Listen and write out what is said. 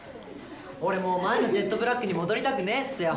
俺もう前のジェットブラックに戻りたくねえっすよ